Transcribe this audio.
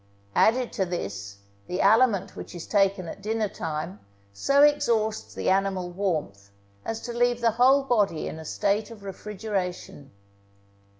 Added to this, the aliment which is taken at dinner time so exhausts the animal warmth, as to leave the whole body in a state of refrigeration.